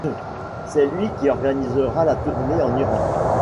C’est lui qui organisera la tournée en Iran.